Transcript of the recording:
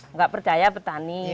nggak percaya petani